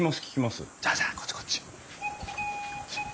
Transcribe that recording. じゃあじゃあこっちこっち。